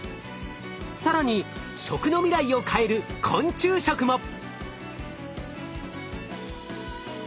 更に食の未来を変える昆虫食も！